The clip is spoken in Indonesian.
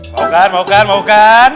mau kan mau kan mau kan